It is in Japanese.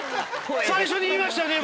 最初に言いましたよね